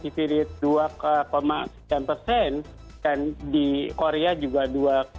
jadi kalau di selandia baru menurut saya itu akan menjadi hal yang lebih baik